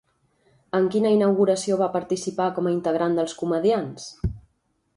En quina inauguració va participar com a integrant d'Els Comediants?